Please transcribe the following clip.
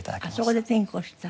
そこで転向した？